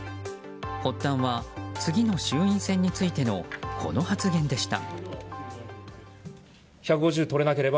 発端は、次の衆院選についてのこの発言でした。